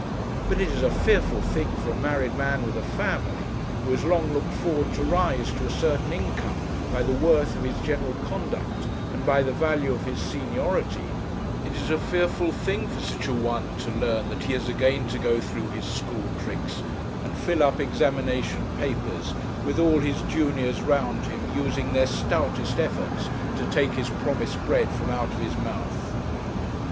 But it is a fearful thing for a married man with a family, who has long looked forward to rise to a certain income by the worth of his general conduct and by the value of his seniority it is a fearful thing for such a one to learn that he has again to go through his school tricks, and fill up examination papers, with all his juniors round him using their stoutest efforts to take his promised bread from out of his mouth.